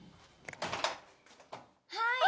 はい。